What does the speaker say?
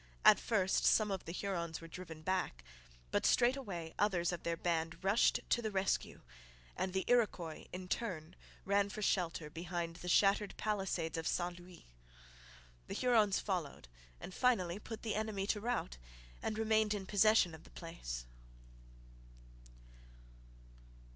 At first some of the Hurons were driven back; but straight away others of their band rushed to the rescue; and the Iroquois in turn ran for shelter behind the shattered palisades of St Louis. The Hurons followed, and finally put the enemy to rout and remained in possession of the place.